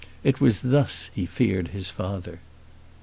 It was thus he feared his father.